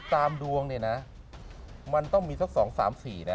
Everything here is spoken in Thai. คือตามดวงนี่นะมันต้องมีสักสองสามสี่นะ